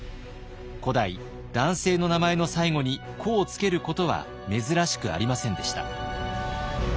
古代男性の名前の最後に「子」を付けることは珍しくありませんでした。